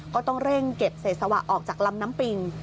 ก็ต้องเร่งเก็บเศษสวะออกจากลำน้ำปิง